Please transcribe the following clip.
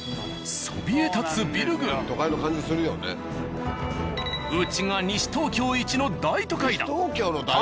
そびえ立つウチが西東京一の大都会だ！